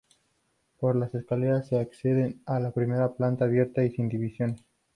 Por las escaleras se accede a la primera planta, abierta y sin divisiones.